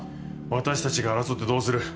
私たちが争ってどうする